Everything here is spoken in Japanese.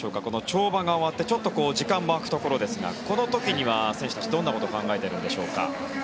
跳馬が終わってちょっと時間も空くところですがこの時には選手たちはどんなことを考えているんでしょうか。